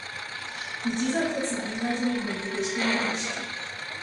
Mit dieser kurzen Einleitung übergebe ich den Bericht.